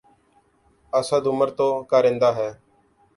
اسد عمر تو کارندہ ہے۔